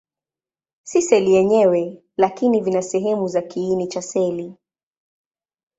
Si seli yenyewe, lakini vina sehemu za kiini cha seli.